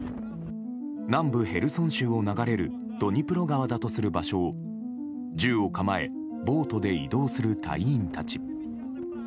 南部ヘルソン州を流れるドニプロ川だとする場所を銃を構えボートで移動する隊員たち。